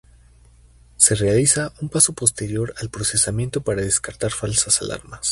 Se realiza un paso posterior al procesamiento para descartar las falsas alarmas.